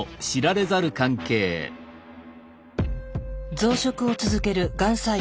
増殖を続けるがん細胞。